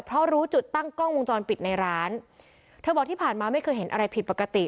เพราะรู้จุดตั้งกล้องวงจรปิดในร้านเธอบอกที่ผ่านมาไม่เคยเห็นอะไรผิดปกติ